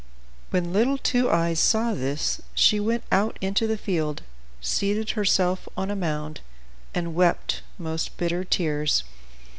When little Two Eyes saw this, she went out into the field, seated herself on a mound, and wept most bitter tears.